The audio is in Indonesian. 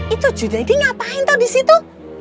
itu jun jadi ngapain tau disitu